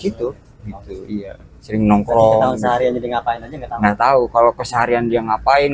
itu itu iya sering nongkrong seharian jadi ngapain aja nggak tahu kalau keseharian dia ngapain